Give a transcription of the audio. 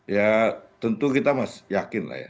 ya tentu kita masih yakin lah ya